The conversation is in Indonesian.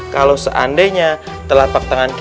kalau seandainya telapak tangan